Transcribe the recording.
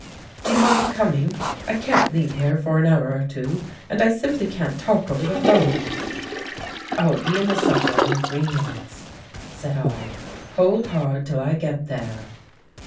" Do you mind coming up? I can't leave here for an hour or two, and I simply can't talk over the 'phone." 13 THE GHOST GIRL " I'll be in the Subway in three minutes," said 1. " Hold hard till I get there."